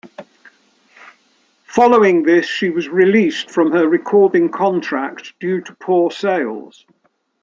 Following this, she was released from her recording contract due to poor sales.